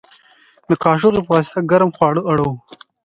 د کاچوغې په واسطه ګرم خواړه اړوو.